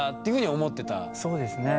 そうですね。